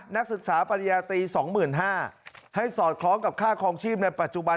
นักศึกษาปริญญาตรี๒๕๐๐บาทให้สอดคล้องกับค่าคลองชีพในปัจจุบัน